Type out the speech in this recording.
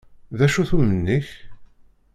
D acu-t umenni-k?